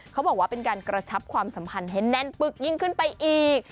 เขาบอกว่าเป็นการกระชับความสัมพันธ์ให้แน่นปึ๊กยิ่งขึ้นไปอีก